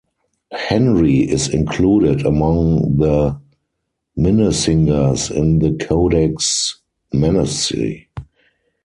Henry is included among the Minnesingers in the Codex Manesse.